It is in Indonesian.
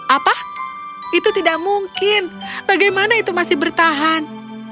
apa itu tidak mungkin bagaimana itu masih bertahan